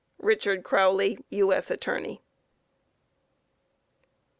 RICHARD CROWLEY, U.S. Attorney.